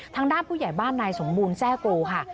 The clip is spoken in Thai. ทางด้านผู้ใหญ่บ้านนายสมบูรณ์แทร่กรูค่ะ